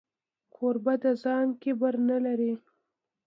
کوربه د ځان کبر نه لري.